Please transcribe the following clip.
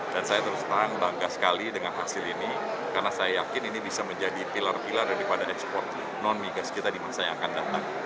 dan saya terus terang bangga sekali dengan hasil ini karena saya yakin ini bisa menjadi pilar pilar daripada ekspor non migas kita di masa yang akan datang